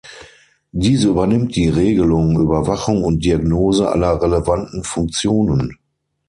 Diese übernimmt die Regelung, Überwachung und Diagnose aller relevanten Funktionen.